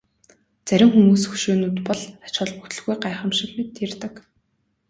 Зарим хүмүүс хөшөөнүүд бол ач холбогдолгүй гайхамшиг мэт ярьдаг.